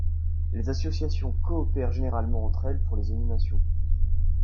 Les associations coopèrent généralement entre elles pour les animations.